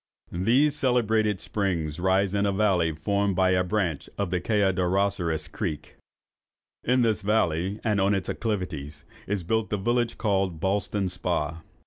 These celebrated springs rise in a valley formed by a branch of the Kayaderosseras Creek. In this valley, and on its acclivities, is built the village called Ballston Spa.